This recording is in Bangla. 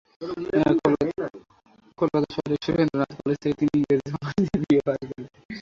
কলকাতা শহরে সুরেন্দ্রনাথ কলেজ থেকে তিনি ইংরেজিতে অনার্স নিয়ে বি এ পাশ করেন।